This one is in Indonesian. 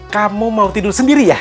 kamu mau tidur sendiri ya